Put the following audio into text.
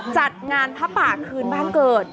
จัดงานพระป่าคืนบ้านเกิด